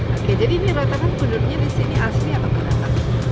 oke jadi ini rata kan penduduknya di sini asli atau ternyata